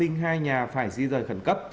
một trăm linh hai nhà phải di rời khẩn cấp